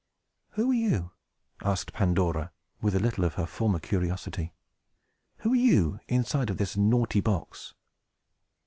"Who are you?" asked Pandora, with a little of her former curiosity. "Who are you, inside of this naughty box?"